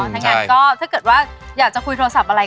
ทั้งนั้นก็ถ้าเกิดว่าอยากจะคุยโทรศัพท์อะไร